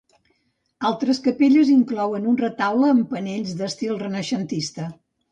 Altres capelles inclouen un retaule amb panells d'estil renaixentista.